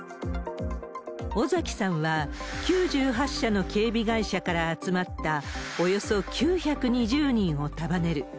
尾崎さんは、９８社の警備会社から集まったおよそ９２０人を束ねる。